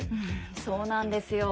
そうなんですよ。